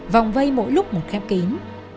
vòng vây mỗi lúc một khép kín